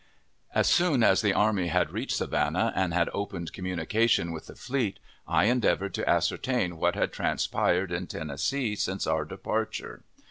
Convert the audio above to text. As soon as the army had reached Savannah, and had opened communication with the fleet, I endeavored to ascertain what had transpired in Tennessee since our departure.